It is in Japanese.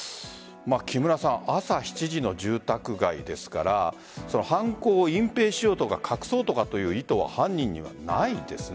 朝７時の住宅街ですから犯行を隠蔽しようとか各層とかという意図は犯人にはないですよね？